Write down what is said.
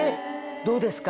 どうですか？